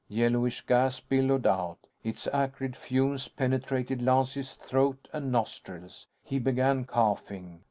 Yellowish gas billowed out. Its acrid fumes penetrated Lance's throat and nostrils. He began coughing.